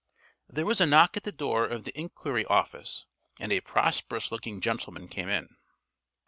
There was a knock at the door of the enquiry office and a prosperous looking gentleman came in.